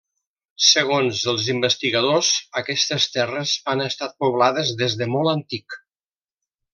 Segons els investigadors aquestes terres han estat poblades des de molt antic.